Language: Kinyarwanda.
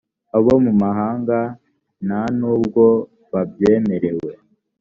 abo mu mahanga nta n’ubwo babyemerewe